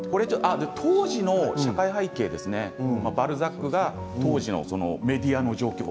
当時の社会背景バルザックが当時のメディアの状況